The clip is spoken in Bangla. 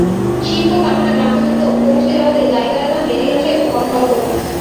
শিল্প-কারখানা গ্রাম পর্যন্ত পৌঁছে যাওয়াতে জায়গার দাম বেড়ে গেছে তরতর করে।